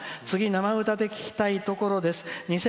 次、生歌で聴きたいところです。